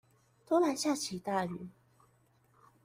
突然下起大雨